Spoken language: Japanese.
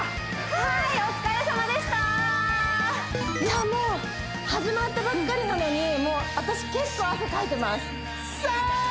はいお疲れさまでしたいやもう始まったばっかりなのにもう私結構汗かいてますさあ